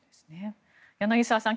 柳澤さん